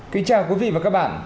kính chào quý vị và các bạn